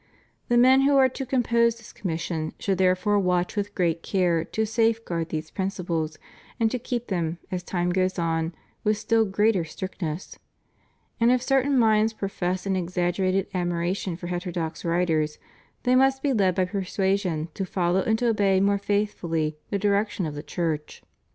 The men who are to compose this commission should therefore watch with great care to safeguard these prin ciples and to keep them, as time goes on, with still greater strictness. And if certain minds profess an exaggerated admiration for heterodox writers, they must be led by per suasion to follow and to obey more faithfully the direc tion of the Church.